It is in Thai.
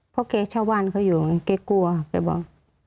เพราะแกเช่าบ้านเขาอยู่แกกลัวแกบอก